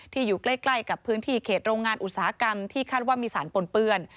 อยู่ใกล้กับพื้นที่เขตโรงงานอุตสาหกรรมที่คาดว่ามีสารปนเปื้อน